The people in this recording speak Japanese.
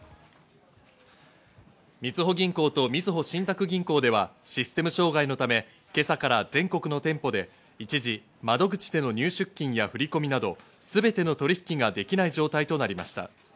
みずほ銀行とみずほ信託銀行ではシステム障害のため、今朝から全国の店舗で一時、窓口での入出金や振込などすべての取引ができない状態となりました。